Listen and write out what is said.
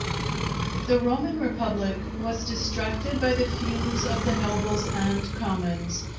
_ The Roman Republic was distracted by the feuds of the nobles and commons.